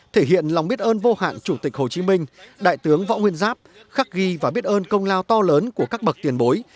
thể hiện lòng biết ơn vô hạn chủ tịch hồ chí minh đại tướng võ nguyên giáp khắc ghi và biết ơn công lao to lớn của các bậc tiền bối